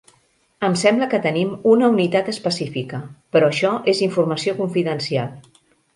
Em sembla que tenim una unitat específica, però això és informació confidencial.